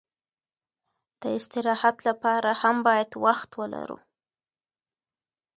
د استراحت لپاره هم باید وخت ولرو.